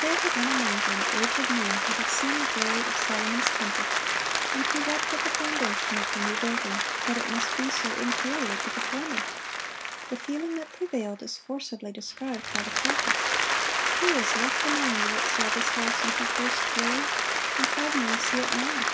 There were then among them aged men who had seen the glory of Solomon's temple, and who wept at the foundation of the new building, that it must be so inferior to the former. The feeling that prevailed is forcibly described by the prophet: "Who is left among you that saw this house in her first glory? and how do ye see it now?